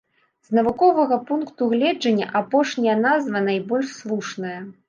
З навуковага пункту гледжання апошняя назва найбольш слушная.